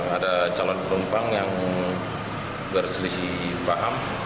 ada calon penumpang yang berselisih paham